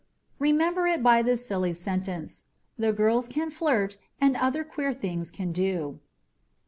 Remember it by this silly sentence: "The girls can flirt and other queer things can do."